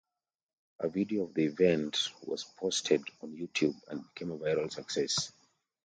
A video of the event was posted on YouTube and became a viral success.